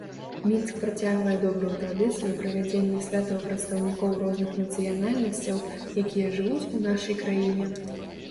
Мінск працягвае добрую традыцыю правядзення святаў прадстаўнікоў розных нацыянальнасцяў, якія жывуць у нашай краіне.